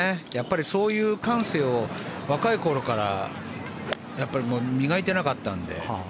そういう感性を若い頃から磨いていなかったので。